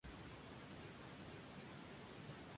El film está basado en la novela de Bram Stoker.